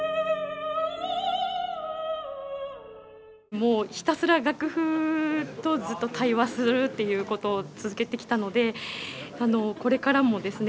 もうひたすら楽譜とずっと対話するっていうことを続けてきたのでこれからもですね